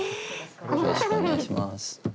よろしくお願いします。